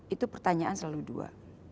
itu pertanyaan selalu dua